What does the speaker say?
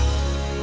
itu di situ aja